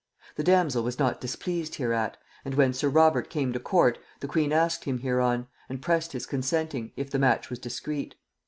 The damsel was not displeased hereat; and when sir Robert came to court, the queen asked him hereon, and pressed his consenting, if the match was discreet.